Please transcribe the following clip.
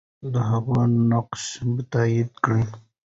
د هغې نقش تایید کړه.